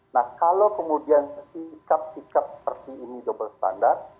nah kalau kemudian sikap sikap seperti ini double standard